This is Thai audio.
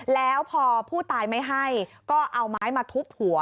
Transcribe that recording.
แล้วพอผู้ตายไม่ให้ก็เอาไม้มาทุบหัว